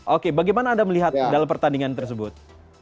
oke bagaimana anda melihat dalam pertandingan tersebut